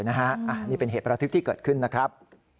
นี่เป็นเหตุประทึกที่เกิดขึ้นนะครับ